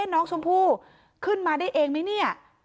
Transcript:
น้องชมพู่ขึ้นมาได้เองไหมเนี่ย